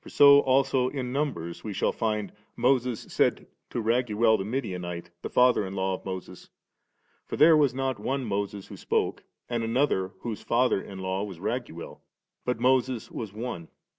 For so also in Numbers we shall find, Moses said to Raguel the Midianite, the father in law of Moses ; for there was not one Moses who spoke, and another whose father in law was Raguel, but Moses was one.